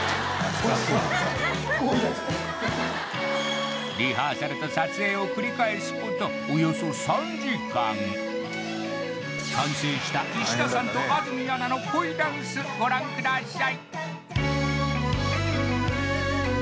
ここいいじゃないですかリハーサルと撮影を繰り返すことおよそ３時間完成した石田さんと安住アナの恋ダンスご覧ください